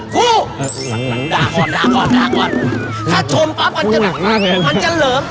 กว้วหื้อด่าก่อนถ้าชมมันจะเหลิม